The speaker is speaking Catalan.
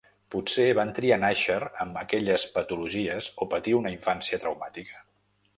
Potser van triar nàixer amb aquelles patologies o patir una infància traumàtica?